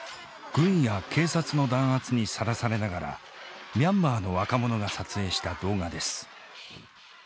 軍や警察の弾圧にさらされながらミャンマーの若者が撮影した動画です。